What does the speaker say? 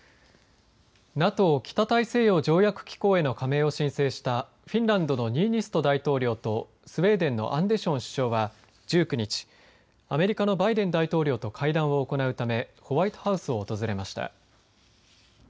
ＮＡＴＯ、北大西洋条約機構への加盟を申請したフィンランドのニーニスト大統領とスウェーデンのアンデション首相は１９日アメリカのバイデン大統領と会談を行うためホワイトハウスを訪れました。